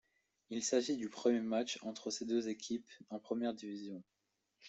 Il s'agit du premier match entre ces deux équipes en première division.